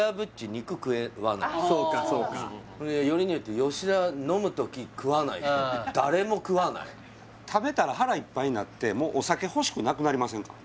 肉食わないそうかそうかよりによって吉田は飲む時食わない誰も食わない食べたら腹いっぱいになってお酒ほしくなくなりませんか？